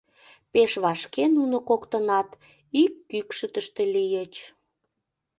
Пеш вашке нуно коктынат ик кӱкшытыштӧ лийыч.